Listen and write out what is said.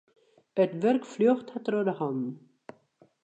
It wurk fljocht har troch de hannen.